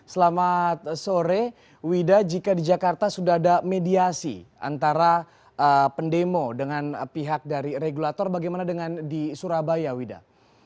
selamat sore wida jika di jakarta sudah ada mediasi antara pendemo dengan pihak dari regulator bagaimana dengan di surabaya wida